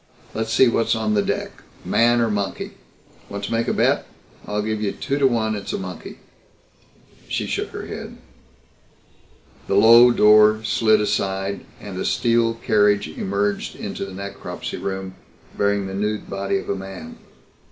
"Let's see what's on deck man or monkey. Want to make a bet? I'll give you two to one it's a monkey." She shook her head. The low door slid aside and a steel carriage emerged into the necropsy room bearing the nude body of a man.